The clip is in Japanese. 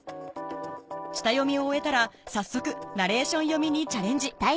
下読みを終えたら早速ナレーション読みにチャレンジ！